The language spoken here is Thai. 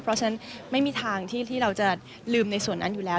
เพราะฉะนั้นไม่มีทางที่เราจะลืมในส่วนนั้นอยู่แล้ว